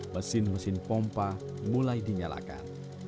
mesin mesin pompa mulai dinyalakan